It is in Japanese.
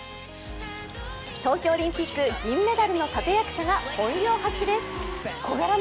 東京オリンピック銀メダルの立役者が本領発揮です。